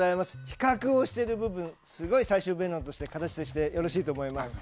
比較をしている部分すごい最終弁論として、形としてよろしいと思います。